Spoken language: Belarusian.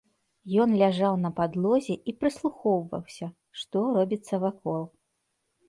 Ён ляжаў на падлозе і прыслухоўваўся, што робіцца вакол.